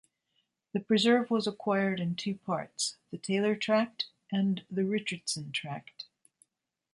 The preserve was acquired in two parts, the Taylor Tract and the Richardson Tract.